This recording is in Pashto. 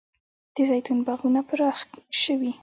د زیتون باغونه پراخ شوي؟